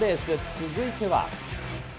続いては。